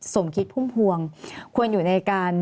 สมคิดพุ่มพวงควรอยู่ในการ